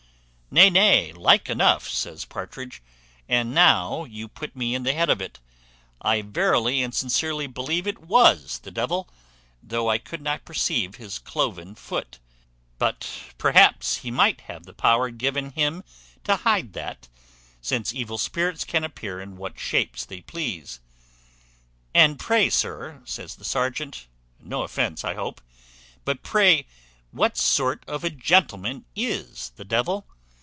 "Nay, nay, like enough," says Partridge; "and now you put me in the head of it, I verily and sincerely believe it was the devil, though I could not perceive his cloven foot: but perhaps he might have the power given him to hide that, since evil spirits can appear in what shapes they please." "And pray, sir," says the serjeant, "no offence, I hope; but pray what sort of a gentleman is the devil?